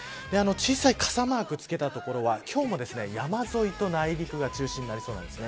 小さい傘マークつけた所は今日も、山沿いと内陸が中心になりそうです。